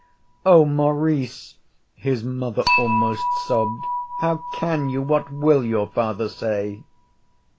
'Oh, Maurice!' his mother almost sobbed, 'how can you? What will your father say?'